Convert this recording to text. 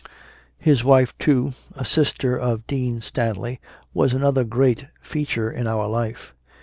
His wife too, a sister of Dean Stanley, was another great feature in our life.